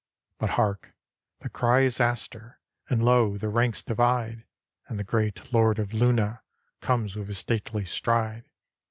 But hark! the cry is Astur: And lo! the ranks divide; And the great Lord of Luna Comes with his stately stride.